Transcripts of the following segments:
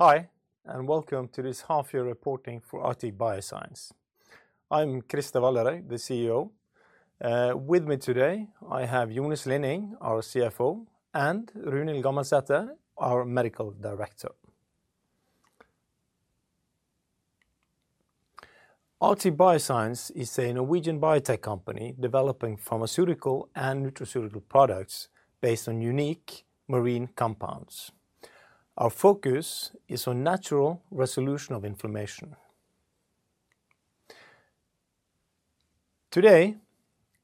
Hi, and welcome to this half year reporting for Arctic Bioscience. I'm Christer Valderhaug, the CEO. With me today, I have Jone Slinning, our CFO, and Runhild Gammelsæter, our Medical Director. Arctic Bioscience is a Norwegian biotech company developing pharmaceutical and nutraceutical products based on unique marine compounds. Our focus is on natural resolution of inflammation. Today,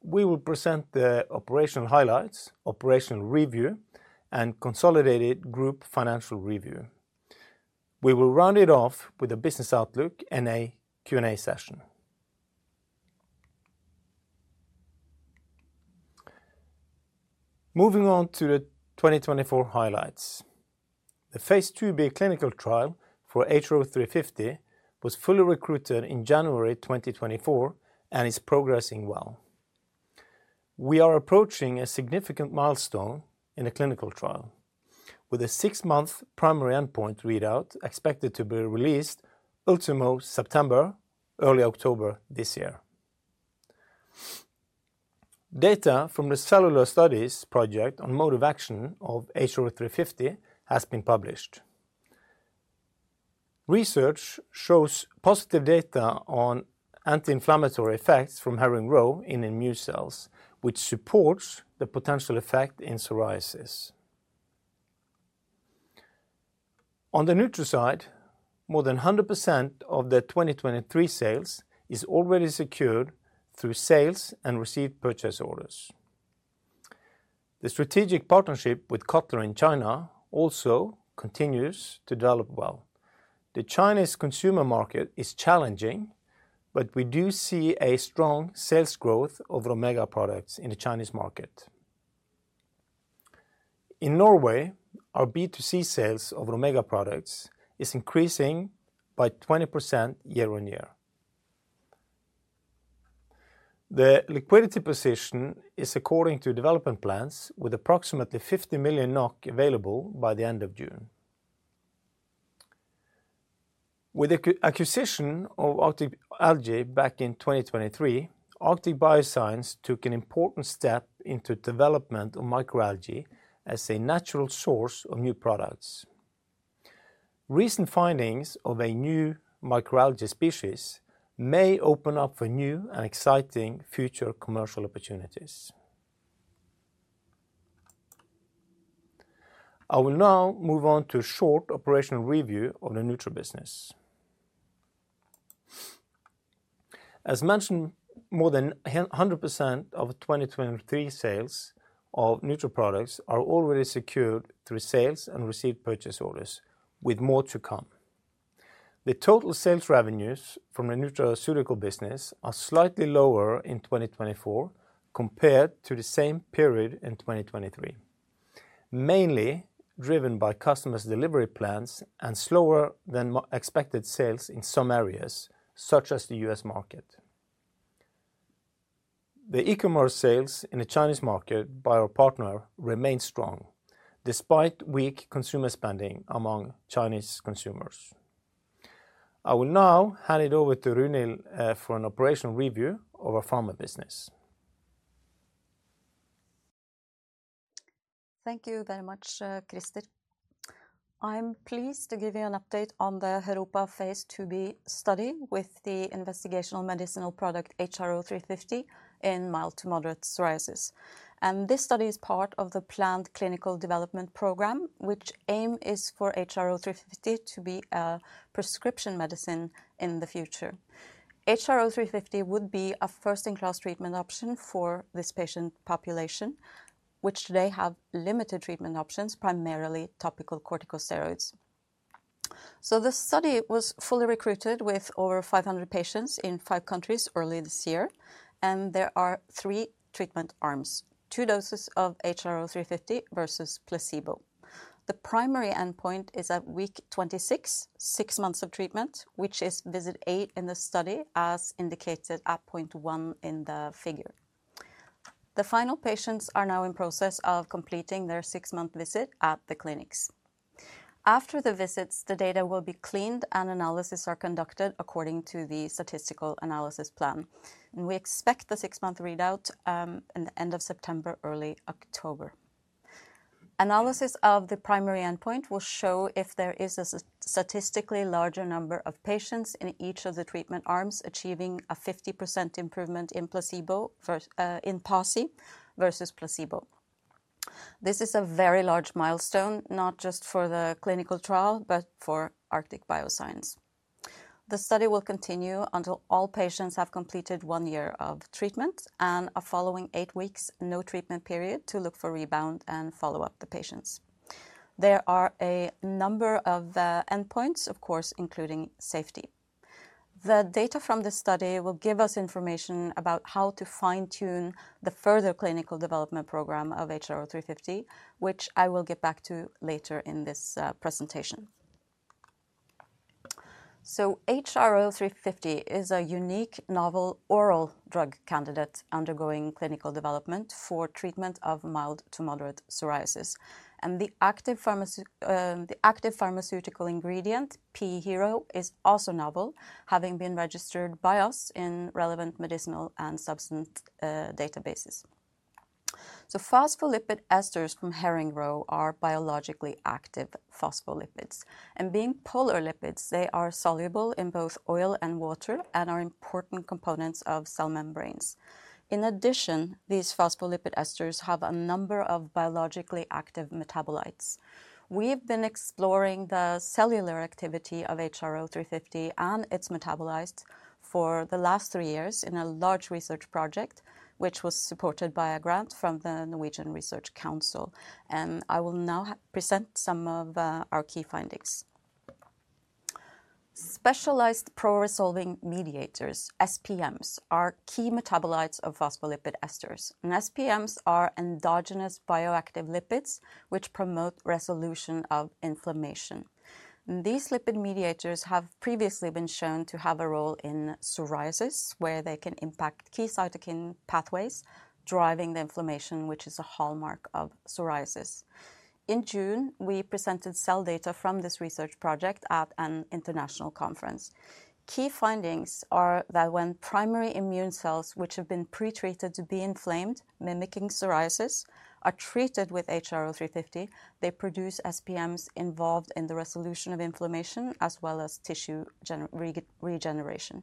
we will present the operational highlights, operational review, and consolidated group financial review. We will round it off with a business outlook and a Q&A session. Moving on to the 2024 highlights. The Phase IIB clinical trial for HRO350 was fully recruited in January 2024, and is progressing well. We are approaching a significant milestone in the clinical trial, with a six-month primary endpoint readout expected to be released ultimo September, early October this year. Data from the cellular studies project on mode of action of HRO350 has been published. Research shows positive data on anti-inflammatory effects from herring roe in immune cells, which supports the potential effect in psoriasis. On the Nutra side, more than 100% of the 2023 sales is already secured through sales and received purchase orders. The strategic partnership with Kotler in China also continues to develop well. The Chinese consumer market is challenging, but we do see a strong sales growth of omega products in the Chinese market. In Norway, our B2C sales of omega products is increasing by 20% year on year. The liquidity position is according to development plans, with approximately 50 million NOK available by the end of June. With the acquisition of Arctic Algae back in 2023, Arctic Bioscience took an important step into development of microalgae as a natural source of new products. Recent findings of a new microalgae species may open up for new and exciting future commercial opportunities. I will now move on to a short operational review of the Nutra business. As mentioned, more than 100% of 2023 sales of Nutra products are already secured through sales and received purchase orders, with more to come. The total sales revenues from the nutraceutical business are slightly lower in 2024, compared to the same period in 2023, mainly driven by customers' delivery plans and slower than expected sales in some areas, such as the U.S. market. The e-commerce sales in the Chinese market by our partner remain strong, despite weak consumer spending among Chinese consumers. I will now hand it over to Runhild for an operational review of our pharma business. Thank you very much, Christer. I'm pleased to give you an update on the HEROPA phase IIb study with the investigational medicinal product, HRO350, in mild to moderate psoriasis. This study is part of the planned clinical development program, which aim is for HRO350 to be a prescription medicine in the future. HRO350 would be a first-in-class treatment option for this patient population, which they have limited treatment options, primarily topical corticosteroids. The study was fully recruited with over 500 patients in 5 countries early this year, and there are three treatment arms, two doses of HRO350 versus placebo. The primary endpoint is at week 26, 6 months of treatment, which is visit 8 in the study, as indicated at point 1 in the figure. The final patients are now in process of completing their six-month visit at the clinics. After the visits, the data will be cleaned, and analyses are conducted according to the statistical analysis plan, and we expect the six-month readout in the end of September, early October. Analysis of the primary endpoint will show if there is a statistically larger number of patients in each of the treatment arms, achieving a 50% improvement in PASI versus placebo. This is a very large milestone, not just for the clinical trial, but for Arctic Bioscience. The study will continue until all patients have completed one year of treatment, and a following eight weeks no treatment period to look for rebound and follow up the patients. There are a number of the endpoints, of course, including safety. The data from this study will give us information about how to fine-tune the further clinical development program of HRO350, which I will get back to later in this presentation. So HRO350 is a unique, novel, oral drug candidate undergoing clinical development for treatment of mild to moderate psoriasis. And the active pharmaceutical ingredient, pHERO, is also novel, having been registered by us in relevant medicinal and substance databases. So phospholipid esters from herring roe are biologically active phospholipids. And being polar lipids, they are soluble in both oil and water and are important components of cell membranes. In addition, these phospholipid esters have a number of biologically active metabolites. We've been exploring the cellular activity of HRO350 and its metabolites for the last three years in a large research project, which was supported by a grant from the Research Council of Norway, and I will now present some of our key findings. Specialized Pro-resolving Mediators, SPMs, are key metabolites of phospholipid esters. SPMs are endogenous bioactive lipids which promote resolution of inflammation. These lipid mediators have previously been shown to have a role in psoriasis, where they can impact key cytokine pathways, driving the inflammation, which is a hallmark of psoriasis. In June, we presented cell data from this research project at an international conference. Key findings are that when primary immune cells, which have been pretreated to be inflamed, mimicking psoriasis, are treated with HRO350, they produce SPMs involved in the resolution of inflammation, as well as tissue regeneration.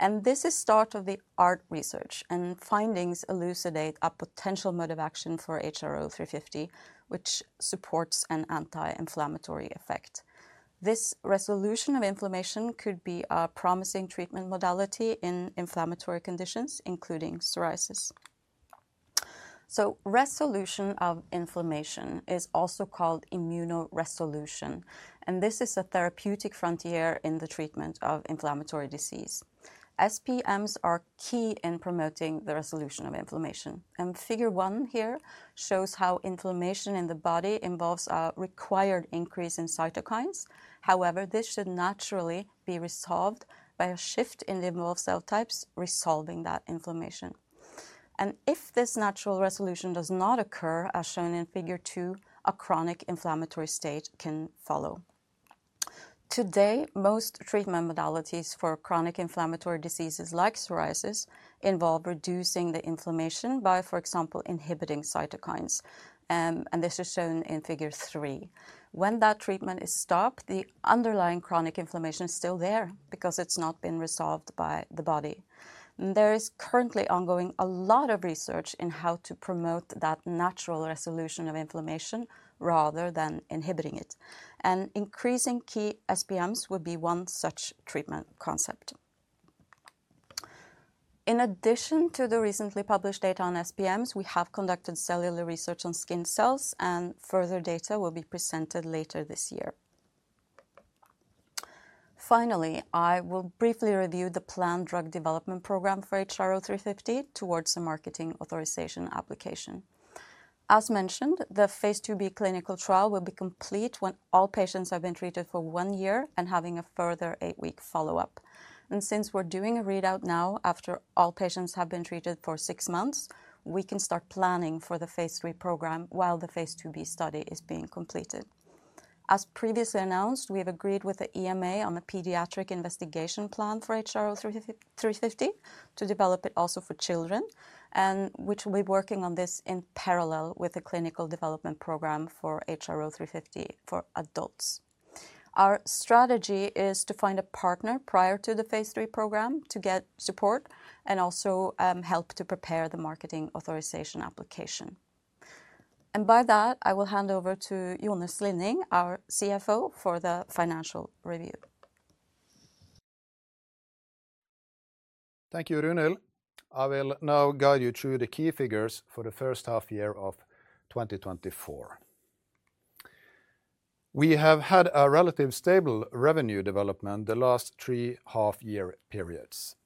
And this is state-of-the-art research, and findings elucidate a potential mode of action for HRO350, which supports an anti-inflammatory effect. This resolution of inflammation could be a promising treatment modality in inflammatory conditions, including psoriasis. So resolution of inflammation is also called immunoresolution, and this is a therapeutic frontier in the treatment of inflammatory disease. SPMs are key in promoting the resolution of inflammation. And figure one here shows how inflammation in the body involves a required increase in cytokines. However, this should naturally be resolved by a shift in the involved cell types resolving that inflammation. And if this natural resolution does not occur, as shown in figure two, a chronic inflammatory state can follow. Today, most treatment modalities for chronic inflammatory diseases like psoriasis involve reducing the inflammation by, for example, inhibiting cytokines, and this is shown in figure three. When that treatment is stopped, the underlying chronic inflammation is still there because it's not been resolved by the body. There is currently ongoing a lot of research in how to promote that natural resolution of inflammation rather than inhibiting it, and increasing key SPMs would be one such treatment concept. In addition to the recently published data on SPMs, we have conducted cellular research on skin cells, and further data will be presented later this year. Finally, I will briefly review the planned drug development program for HRO350 towards the marketing authorization application. As mentioned, the phase IIb clinical trial will be complete when all patients have been treated for one year and having a further eight-week follow-up. Since we're doing a readout now after all patients have been treated for six months, we can start planning for the phase three program while the phase 2B study is being completed. As previously announced, we have agreed with the EMA on the pediatric investigation plan for HRO350 to develop it also for children, and we will be working on this in parallel with the clinical development program for HRO350 for adults. Our strategy is to find a partner prior to the phase three program to get support and also help to prepare the marketing authorization application. By that, I will hand over to Jone Slinning, our CFO, for the financial review. Thank you, Runhild. I will now guide you through the key figures for the first half year of 2024. We have had a relative stable revenue development the last three half-year periods.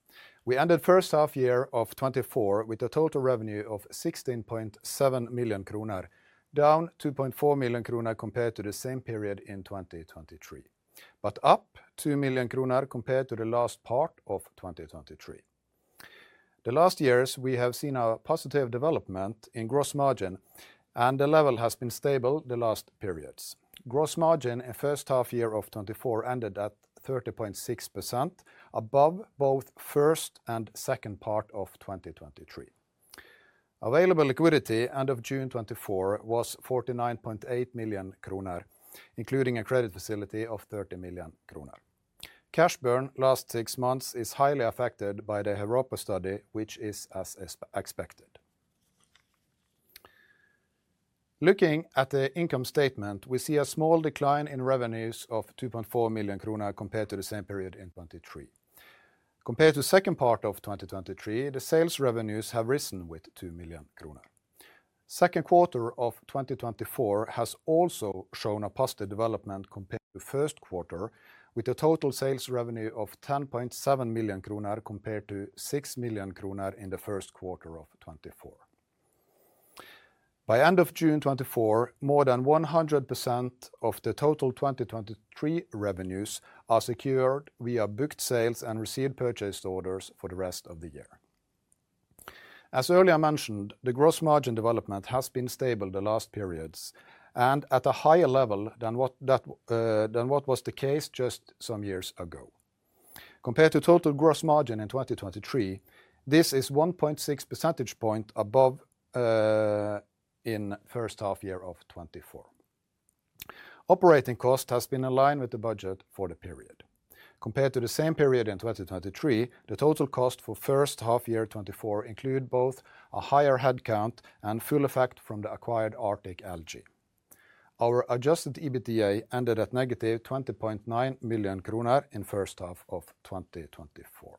We ended first half year of 2024 with a total revenue of 16.7 million kroner, down 2.4 million kroner compared to the same period in 2023, but up 2 million kroner compared to the last part of 2023. The last years, we have seen a positive development in gross margin, and the level has been stable the last periods. Gross margin in first half year of 2024 ended at 30.6%, above both first and second part of 2023. Available liquidity end of June 2024 was 49.8 million kroner, including a credit facility of 30 million kroner. Cash burn last six months is highly affected by the HEROPA study, which is as expected. Looking at the income statement, we see a small decline in revenues of 2.4 million kroner compared to the same period in 2023. Compared to the second part of 2023, the sales revenues have risen with 2 million kroner. Second quarter of 2024 has also shown a positive development compared to first quarter, with a total sales revenue of 10.7 million kroner, compared to 6 million kroner in the first quarter of 2024. By end of June 2024, more than 100% of the total 2023 revenues are secured via booked sales and received purchase orders for the rest of the year. As earlier mentioned, the gross margin development has been stable the last periods, and at a higher level than what was the case just some years ago. Compared to total gross margin in 2023, this is 1.6 percentage point above in first half year of 2024. Operating cost has been in line with the budget for the period. Compared to the same period in 2023, the total cost for first half year 2024 include both a higher headcount and full effect from the acquired Arctic Algae. Our adjusted EBITDA ended at negative 20.9 million kroner in first half of 2024.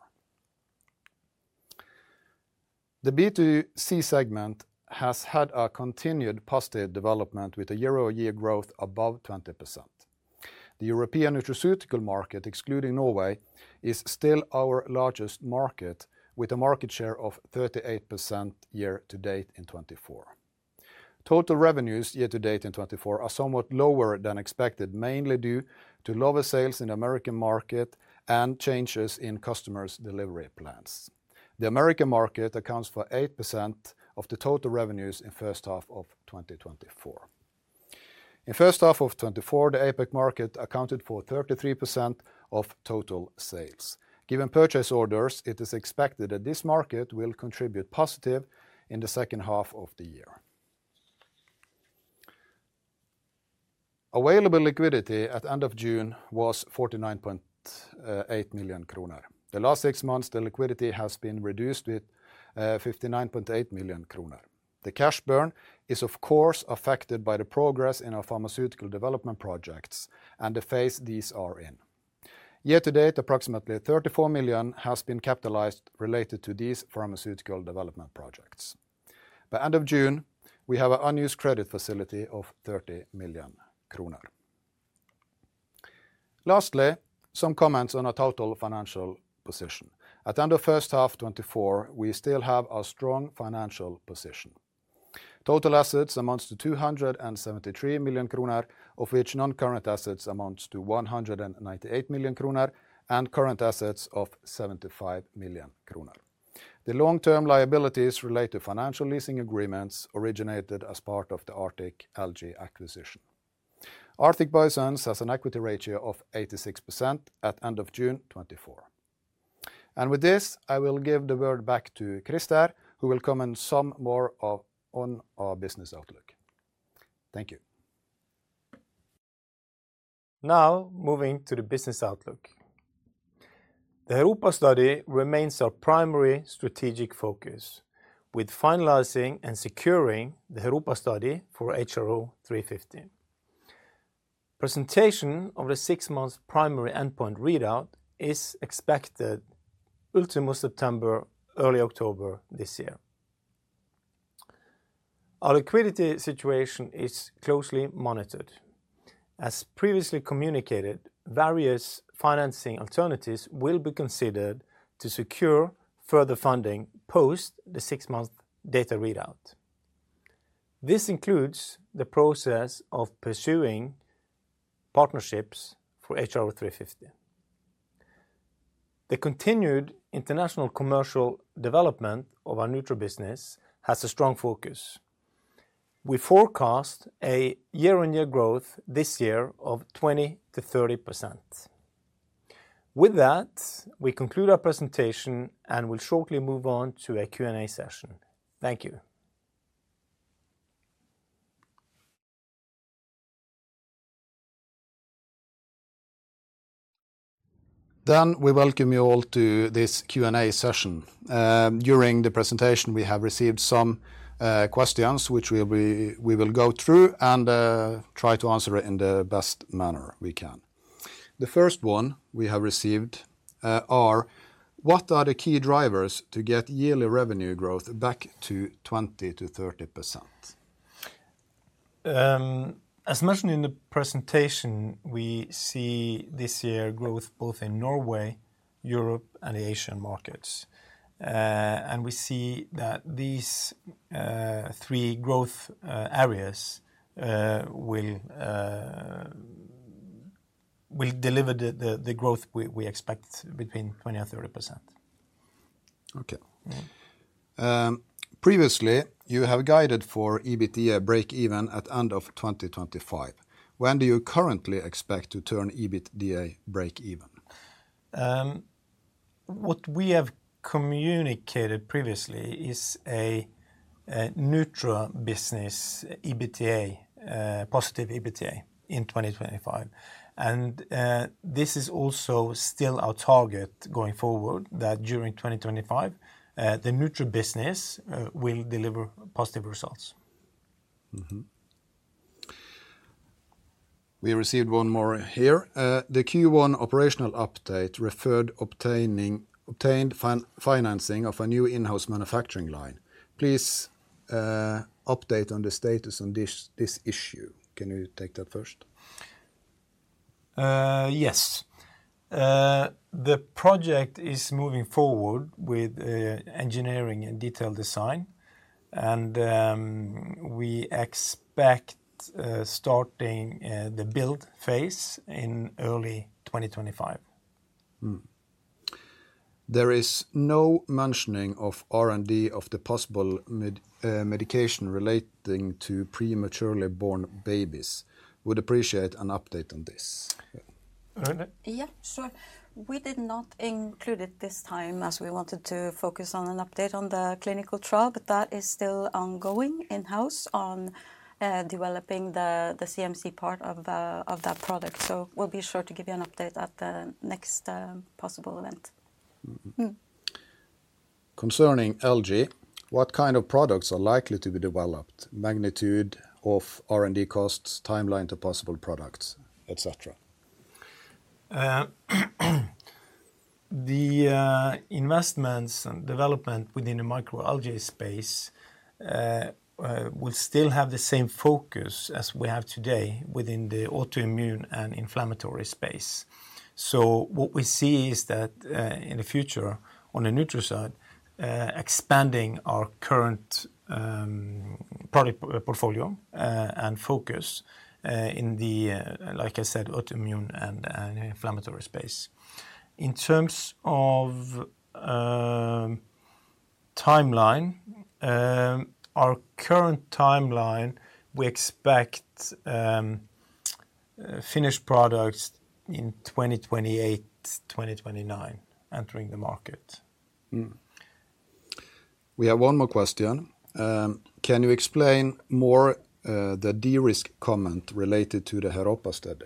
The B2C segment has had a continued positive development, with a year-over-year growth above 20%. The European nutraceutical market, excluding Norway, is still our largest market, with a market share of 38% year to date in 2024. Total revenues year to date in 2024 are somewhat lower than expected, mainly due to lower sales in American market and changes in customers' delivery plans. The American market accounts for 8% of the total revenues in first half of twenty twenty-four. In first half of 2024, the APAC market accounted for 33% of total sales. Given purchase orders, it is expected that this market will contribute positive in the second half of the year. Available liquidity at end of June was 49.8 million kroner. The last six months, the liquidity has been reduced with 59.8 million kroner. The cash burn is, of course, affected by the progress in our pharmaceutical development projects and the phase these are in. Year to date, approximately 34 million has been capitalized related to these pharmaceutical development projects. By end of June, we have an unused credit facility of 30 million kroner. Lastly, some comments on our total financial position. At end of first half 2024, we still have a strong financial position. Total assets amount to 273 million kroner, of which non-current assets amount to 198 million kroner, and current assets of 75 million kroner. The long-term liabilities relate to financial leasing agreements originated as part of the Arctic Algae acquisition. Arctic Bioscience has an equity ratio of 86% at end of June 2024. With this, I will give the word back to Christer, who will comment some more on our business outlook. Thank you. Now, moving to the business outlook. The HEROPA study remains our primary strategic focus, with finalizing and securing the HEROPA study for HRO350. Presentation of the six months primary endpoint readout is expected ultimo September, early October this year. Our liquidity situation is closely monitored. As previously communicated, various financing alternatives will be considered to secure further funding post the six-month data readout. This includes the process of pursuing partnerships for HRO350. The continued international commercial development of our Nutra business has a strong focus. We forecast a year-on-year growth this year of 20%-30%. With that, we conclude our presentation, and we'll shortly move on to a Q&A session. Thank you. Then we welcome you all to this Q&A session. During the presentation, we have received some questions, which we will go through and try to answer it in the best manner we can. The first one we have received are: "What are the key drivers to get yearly revenue growth back to 20%-30%? As mentioned in the presentation, we see this year growth both in Norway, Europe, and the Asian markets, and we see that these three growth areas will deliver the growth we expect between 20 and 30%. Okay. Mm-hmm. Previously, you have guided for EBITDA breakeven at end of 2025. When do you currently expect to turn EBITDA breakeven? What we have communicated previously is a Nutra business EBITDA, positive EBITDA in 2025. And, this is also still our target going forward, that during 2025, the Nutra business will deliver positive results. Mm-hmm. We received one more here. "The Q1 operational update referred to obtaining... obtained financing of a new in-house manufacturing line. Please, update on the status on this issue." Can you take that first?... Yes. The project is moving forward with engineering and detailed design, and we expect starting the build phase in early 2025. There is no mentioning of R&D of the possible medication relating to prematurely born babies. Would appreciate an update on this. Runhild? Yeah, sure. We did not include it this time, as we wanted to focus on an update on the clinical trial, but that is still ongoing in-house on developing the CMC part of that product. So we'll be sure to give you an update at the next possible event. Mm-hmm. Mm. Concerning algae, what kind of products are likely to be developed? Magnitude of R&D costs, timeline to possible products, et cetera. The investments and development within the microalgae space will still have the same focus as we have today within the autoimmune and inflammatory space. So what we see is that in the future, on the nutra side, expanding our current product portfolio and focus in the, like I said, autoimmune and inflammatory space. In terms of timeline, our current timeline, we expect finished products in 2028, 2029, entering the market. We have one more question. Can you explain more the de-risk comment related to the HEROPA study?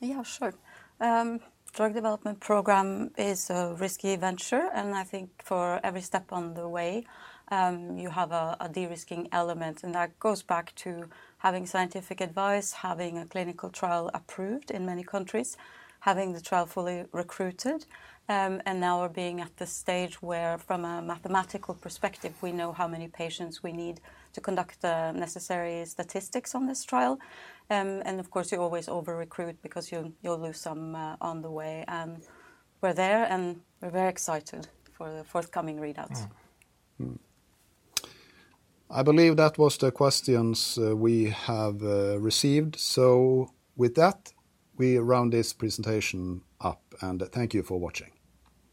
Yeah, sure. Drug development program is a risky venture, and I think for every step on the way, you have a de-risking element, and that goes back to having scientific advice, having a clinical trial approved in many countries, having the trial fully recruited, and now we're being at the stage where, from a mathematical perspective, we know how many patients we need to conduct the necessary statistics on this trial, and of course, you always over-recruit because you'll lose some on the way. We're there, and we're very excited for the forthcoming readouts. I believe that was the questions we have received. So with that, we round this presentation up, and thank you for watching.